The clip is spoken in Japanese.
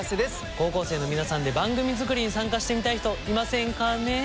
高校生の皆さんで番組作りに参加してみたい人いませんかねえ？